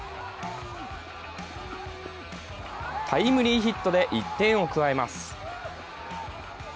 タイムリーヒットで１点を加えます。